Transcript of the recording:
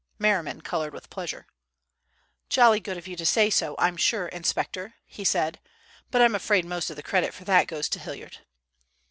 Merriman colored with pleasure. "Jolly good of you to say so, I'm sure, inspector," he said; "but I'm afraid most of the credit for that goes to Hilliard."